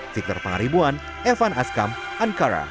sikler pengaribuan evan askam ankarabangsa